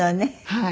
はい。